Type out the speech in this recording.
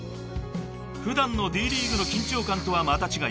［普段のＤ．ＬＥＡＧＵＥの緊張感とはまた違い